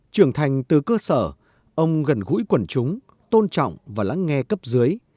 trưởng thành từ cơ sở ông gần gũi quần chúng tôn trọng và lắng nghe cấp dưới